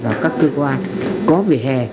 vào các cơ quan có vỉa hè